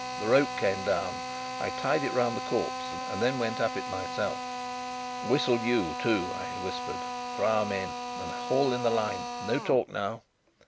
The rope came down. I tied it round the corpse, and then went up it myself. "Whistle you too," I whispered, "for our men, and haul in the line. No talk now."